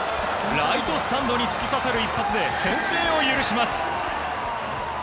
ライトスタンドに突き刺さる一発で先制を許します。